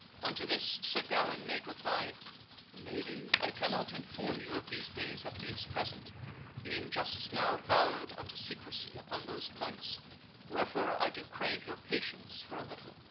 Unto this Sir Gawaine made reply, "Lady, I cannot inform you of these things at these present, being just now vowed unto secrecy upon those points, wherefore I do crave your patience for a little."